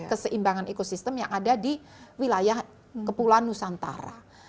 keseimbangan ekosistem yang ada di wilayah kepulauan nusantara